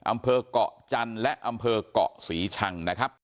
อำเภอกะจันทร์และอำเภอกหมะสีชังนะครับ